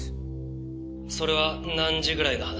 「それは何時ぐらいの話だ？」